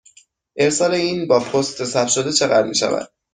ارسال این با پست ثبت شده چقدر می شود؟